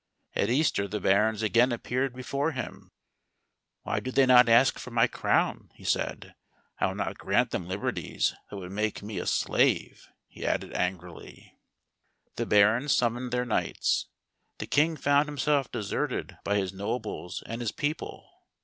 At Easter the barons again appeared before him. " Why do they not ask for my crown ?" he said. " I will not grant them liberties that would make me a slave," he added angrily. The barons summoned their knights. The king found himself deserted by his nobles and his people.